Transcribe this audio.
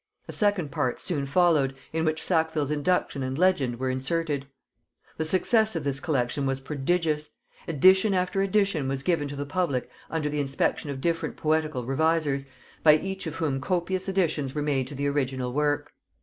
A second part soon followed, in which Sackville's Induction and Legend were inserted. The success of this collection was prodigious; edition after edition was given to the public under the inspection of different poetical revisers, by each of whom copious additions were made to the original work.